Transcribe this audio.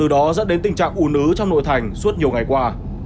đó dẫn đến tình trạng ủ nứ trong nội thành suốt nhiều ngày qua